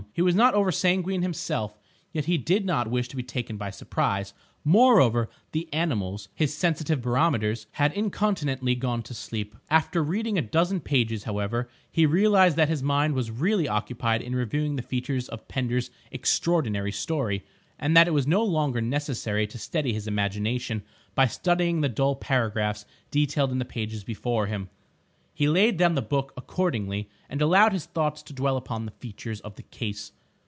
He was not over sanguine himself, yet he did not wish to be taken by surprise. Moreover, the animals, his sensitive barometers, had incontinently gone to sleep. After reading a dozen pages, however, he realised that his mind was really occupied in reviewing the features of Pender's extraordinary story, and that it was no longer necessary to steady his imagination by studying the dull paragraphs detailed in the pages before him. He laid down his book accordingly, and allowed his thoughts to dwell upon the features of the Case.